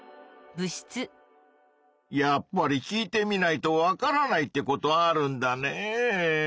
やっぱり聞いてみないとわからないってことあるんだねぇ。